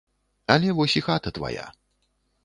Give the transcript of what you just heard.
Але вось і хата твая.